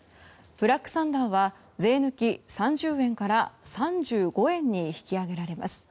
ブラックサンダーは税抜き３０円から３５円に引き上げられます。